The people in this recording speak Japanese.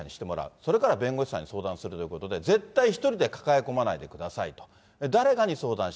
それから弁護士さんに相談するということで、絶対一人で抱え込まないでくださいと、誰かに相談し